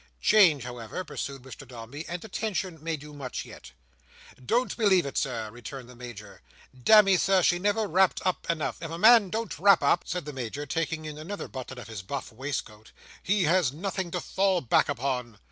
"Change, however," pursued Mr Dombey, "and attention, may do much yet." "Don't believe it, Sir," returned the Major. "Damme, Sir, she never wrapped up enough. If a man don't wrap up," said the Major, taking in another button of his buff waistcoat, "he has nothing to fall back upon.